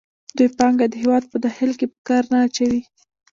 دوی پانګه د هېواد په داخل کې په کار نه اچوي